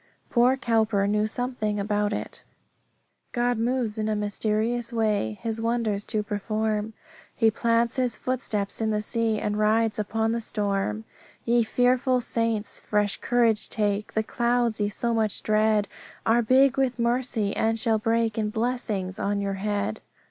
Poor Cowper knew something about it "God moves in a mysterious way His wonders to perform; He plants His footsteps in the sea, And rides upon the storm. "Ye fearful saints, fresh courage take, The clouds ye so much dread Are big with mercy, and shall break In blessings on your head.